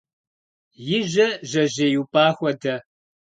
И жьэ жьэжьей упӏа хуэдэ.